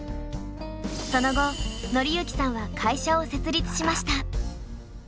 その後紀行さんは会社を設立しました。